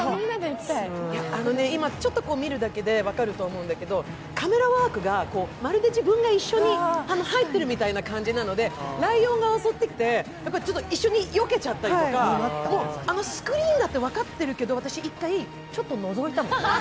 今、ちょっと見るだけで分かると思うんだけど、カメラワークがまるで自分が一緒に入ってるみたいな感じなので、ライオンが襲ってきて、一緒によけちゃったりとか、スクリーンだつて分かってるけど、私１回ちょっとのぞいたもん。